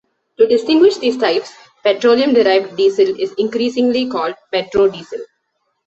To distinguish these types, petroleum-derived diesel is increasingly called petrodiesel.